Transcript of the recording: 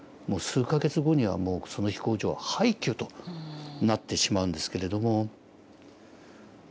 数か月後にはもうその飛行場は廃虚となってしまうんですけれども。